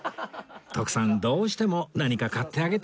徳さんどうしても何か買ってあげたいんですね